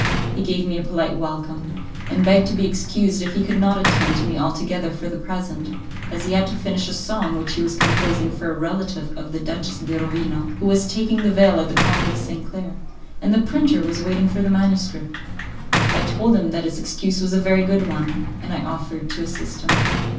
He gave me a polite welcome, and begged to be excused if he could not attend to me altogether for the present, as he had to finish a song which he was composing for a relative of the Duchess de Rovino, who was taking the veil at the Convent of St. Claire, and the printer was waiting for the manuscript. I told him that his excuse was a very good one, and I offered to assist him.